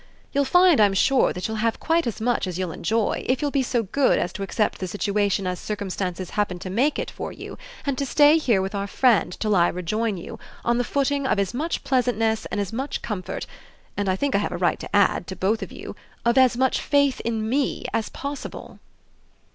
You'll find, I'm sure, that you'll have quite as much as you'll enjoy if you'll be so good as to accept the situation as circumstances happen to make it for you and to stay here with our friend, till I rejoin you, on the footing of as much pleasantness and as much comfort and I think I have a right to add, to both of you, of as much faith in ME as possible."